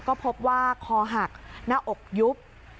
ก็พบว่าคอหักหน้าอกยุบ